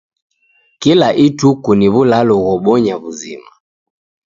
Kila ituku ni w'ulalo ghobonya w'uzima.